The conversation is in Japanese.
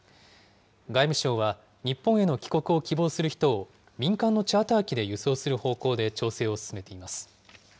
外務省は、日本への帰国を希望する人を民間のチャーター機で輸送する方向で調整を進めています。